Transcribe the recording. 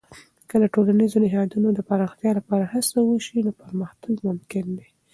که د ټولنیزو نهادونو د پراختیا لپاره هڅه وسي، نو پرمختګ ممکن دی.